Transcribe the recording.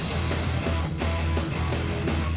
jadi ke jalan ke dondong